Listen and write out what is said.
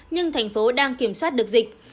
nhưng thành phố đang kiểm soát được dịch